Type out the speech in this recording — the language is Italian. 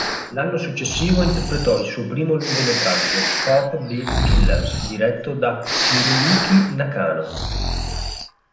L'anno successivo interpretò il suo primo lungometraggio, "Pop Beat Killers", diretto da Hiroyuki Nakano.